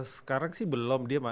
sekarang sih belum dia